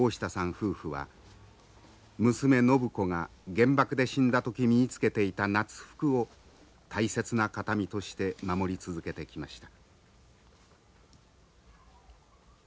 夫婦は娘靖子が原爆で死んだ時身につけていた夏服を大切な形見として守り続けてきました。